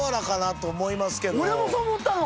俺もそう思ったの！